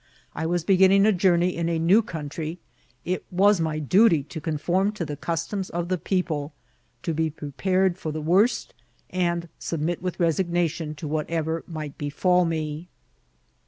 I was beginning a journey in a new coun try ; it was my duty to conform to the customs of the people ; to be prepared for the worst, and submit with resignation to whatever might befall me.